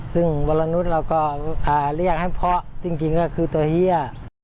ซึ่งวรนุษย์เราก็เรียกให้เพาะจริงก็คือตัวเฮีย